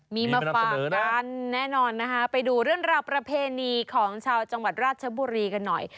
มีมาฝากกันแน่นอนนะคะไปดูเรื่องราวประเพณีของชาวจังหวัดราชบุรีกันหน่อย